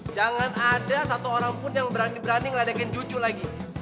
jangan ada satu orang pun yang berani berani ngadekin cucu lagi